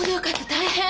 大変！